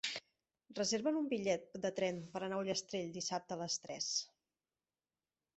Reserva'm un bitllet de tren per anar a Ullastrell dissabte a les tres.